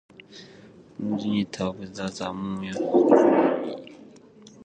Progenitor of the Zamoyski family.